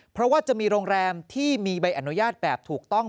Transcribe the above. เพราะว่าจะมีโรงแรมที่มีใบอนุญาตแบบถูกต้อง